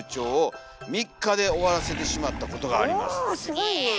おすごいねえ。